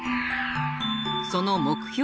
その目標